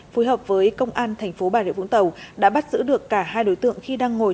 phối hợp với công an thành phố bà rịa vũng tàu đã bắt giữ được cả hai đối tượng khi đang ngồi